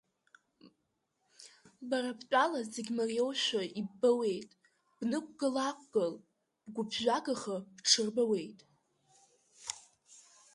Бара бтәала зегь мариоушәа иббауеит, бнықәгыл-аақәгыл, бгәыԥжәагаха бҽырбауеит…